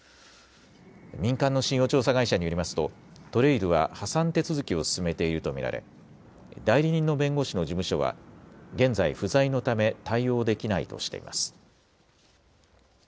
民間の信用調査会社によりますとＴＲＡＩＬは破産手続きを進めていると見られ代理人の弁護士の事務所は現在、不在のため対応できないとしています。